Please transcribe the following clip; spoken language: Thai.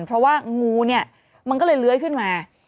เพราะว่างูเนี่ยมันก็เลยเลื้อยขึ้นมา